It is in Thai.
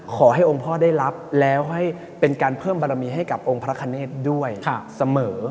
ขอให้องค์พ่อได้รับแล้วให้เป็นการเพิ่มบารมีให้กับองค์พระคเนธด้วยเสมอ